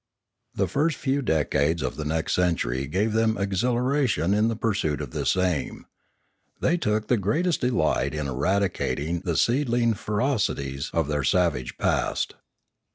The first few decades of the next century gave them exhilaration in the pursuit of this aim. They took the greatest delight in eradicating the seedling ferocities of their savage past.